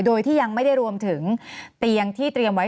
โดยที่ยังไม่ได้รวมถึงเตียงที่เตรียมไว้